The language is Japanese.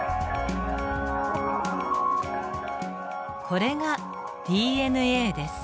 これがＤＮＡです。